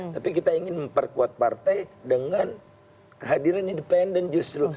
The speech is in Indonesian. tapi kita ingin memperkuat partai dengan kehadiran independen justru